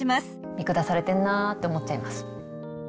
見下されてんなぁって思っちゃいます。